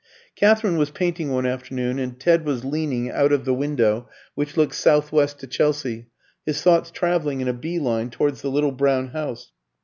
Katherine was painting one afternoon, and Ted was leaning out of the window, which looked south west to Chelsea, his thoughts travelling in a bee line towards the little brown house.